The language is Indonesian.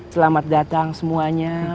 selamat datang semuanya